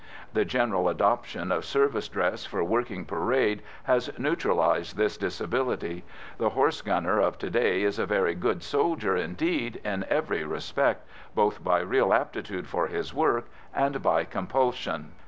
The general adoption of service dress for working parade has neutralised this disability. The horse gunner of to day is a very good soldier indeed in every respect, both by real aptitude for his work and by compulsion.